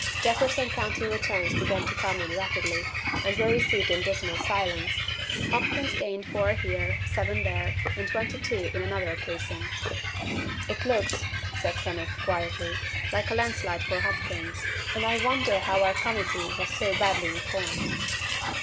Jefferson County returns began to come in rapidly, and were received in dismal silence. Hopkins gained four here, seven there, and twenty two in another precinct. "It looks," said Kenneth, quietly, "like a landslide for Hopkins, and I wonder how our Committee was so badly informed."